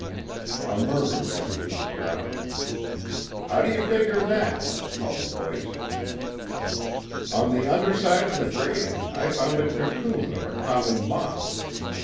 A murmur ran through the crowd. "How do you figure that?" called a voice. "On the under side of the grating I found a cocoon of a common moth.